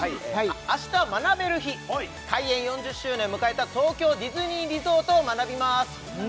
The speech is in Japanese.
明日は学べる日開園４０周年を迎えた東京ディズニーリゾートを学びます